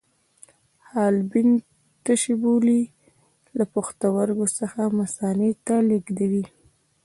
حالبین تشې بولې له پښتورګو څخه مثانې ته لیږدوي.